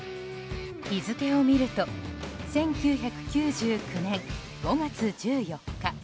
日付を見ると１９９９年５月１４日。